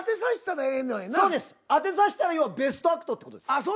当てさしたら要はベストアクトって事です。